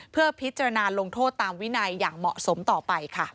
เพื่อพิจารณาลงโทษตามวินัยอย่างเหมาะสมต่อไปค่ะ